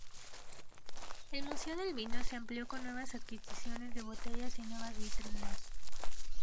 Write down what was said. El Museo del Vino se amplió con nuevas adquisiciones de botellas y nuevas vitrinas.